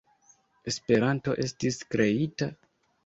Esperanto estis kreita?